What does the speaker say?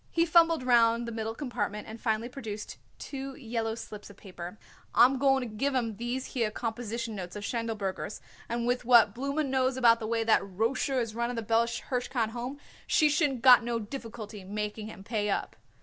He fumbled round the middle compartment and finally produced two yellow slips of paper. "I'm going to give 'em these here composition notes of Schindelberger's, and with what Blooma knows about the way that Rosher is running the Bella Hirshkind Home she shouldn't got no difficulty making him pay up."